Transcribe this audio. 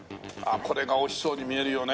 これが美味しそうに見えるよね。